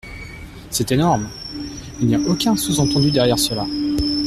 C’est énorme ! Il n’y a aucun sous-entendu derrière cela.